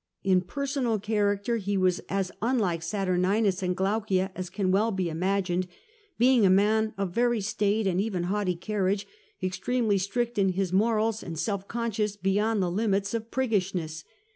In personal character he was as unlike Saturninus and Glaucia as can well be imagined, being a man of very staid and even haughty carriage, extremely strict in his morals, and self conscious beyond the limit of priggishness.